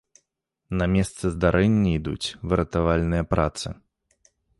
На месцы здарэння ідуць выратавальныя працы.